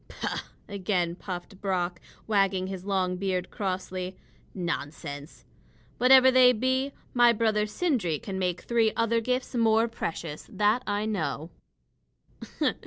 "Pooh!" again puffed Brock, wagging his long beard crossly. "Nonsense! Whatever they be, my brother Sindri can make three other gifts more precious; that I know."